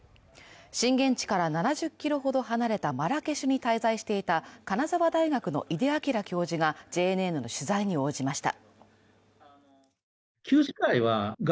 震源地から７０ｋｍほど離れたマラケシュに滞在していた金沢大学の井出明教授がＪＮＮの取材に応じました。